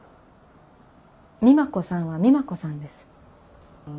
美摩子さんは美摩子さんです。